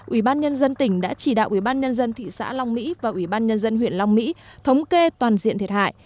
ủy ban nhân dân tỉnh đã chỉ đạo ủy ban nhân dân thị xã long mỹ và ủy ban nhân dân huyện long mỹ thống kê toàn diện thiệt hại